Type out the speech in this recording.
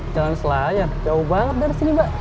jalan selayar jauh banget dari sini mbak